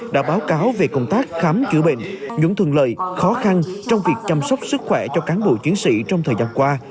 đã báo cáo về công tác khám chữa bệnh những thuận lợi khó khăn trong việc chăm sóc sức khỏe cho cán bộ chiến sĩ trong thời gian qua